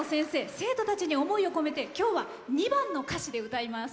生徒たちに思いを込めて今日は２番の歌詞で歌います。